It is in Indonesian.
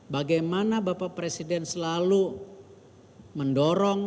bagaimana bapak presiden selalu mendorong